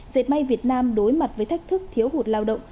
dệt may việt nam đối mặt với thách thức thiếu hụt lao động